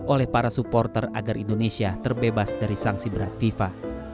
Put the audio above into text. oleh para supporter agar indonesia terbebas dari sanksi berat fifa